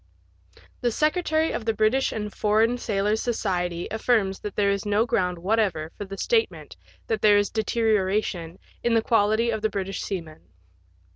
The secretary of the British and Foreign Sailors* Society affirms that there is no ground what ever for the statement that there is deterioration in the quality of the British seaman.